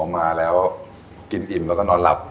มาแล้วกินอิ่มแล้วก็นอนหลับ